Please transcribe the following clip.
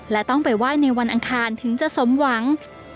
และต้องไปไหว้ในวันอังคารถึงจะสมหวัง